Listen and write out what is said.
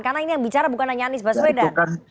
karena ini yang bicara bukan hanya anies baswedan